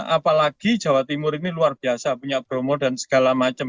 apalagi jawa timur ini luar biasa punya bromo dan segala macam